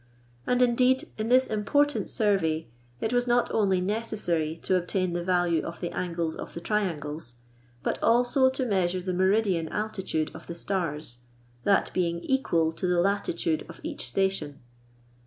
And indeed, in this important survey, it was not only necessary to obtain the value of the angles of the triangles, but also to measure the meridian altitude of the stars, that being equal to the latitude of each station.